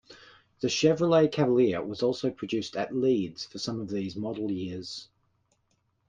The Chevrolet Cavalier was also produced at Leeds for some of these model years.